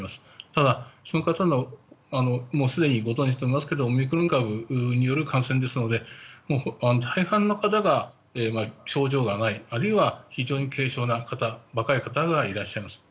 ただ、その多くがすでにご存じかと思いますがオミクロン株による感染ですので大半の方が症状がないあるいは非常に軽症な方若い方がいらっしゃいます。